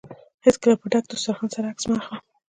هېڅکله په ډک دوسترخان سره عکس مه اخله.